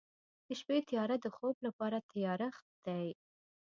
د شپې تیاره د خوب لپاره تیارښت دی.